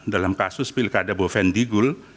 dalam kasus pilkada bovendigul